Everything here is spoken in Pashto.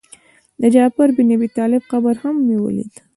د جعفر بن ابي طالب قبر هم مې ولید.